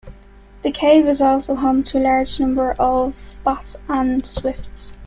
The cave is also home to large numbers of bats and swifts.